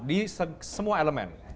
di semua elemen